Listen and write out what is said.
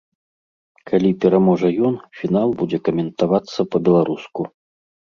Калі пераможа ён, фінал будзе каментавацца па-беларуску.